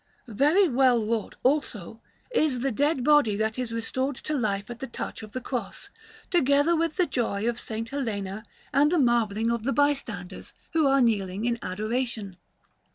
Very well wrought, also, is the dead body that is restored to life at the touch of the Cross, together with the joy of S. Helena and the marvelling of the bystanders, who are kneeling in adoration.